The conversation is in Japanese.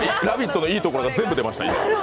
「ラヴィット！」のいいところが全部出ました。